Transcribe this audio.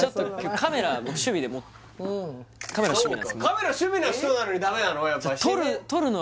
カメラ趣味な人なのにダメなの？